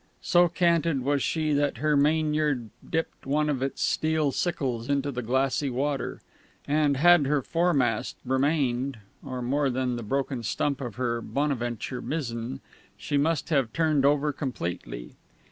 So canted was she that her mainyard dipped one of its steel sickles into the glassy water, and, had her foremast remained, or more than the broken stump of her bonaventure mizzen, she must have turned over completely.